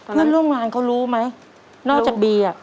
เพื่อนร่วมงานเขารู้ไหมนอกจากบีอ่ะ